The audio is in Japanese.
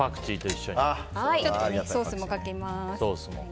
ソースもかけます。